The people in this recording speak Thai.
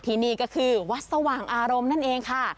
ที่นี่ก็คือวัดสว่างอารมณ์นั่นเองค่ะ